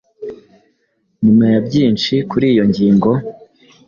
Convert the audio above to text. Nyuma ya byinshi kuri iyo ngingo,